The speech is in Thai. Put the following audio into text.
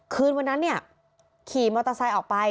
คืนวันนั้นเนี่ยขี่มอเตอร์ไซค์ออกไป